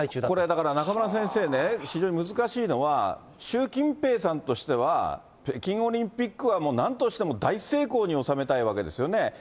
これ、だから中村先生ね、非常に難しいのは、習近平さんとしては、北京オリンピックはもうなんとしても大成功に収めたいわけですよね。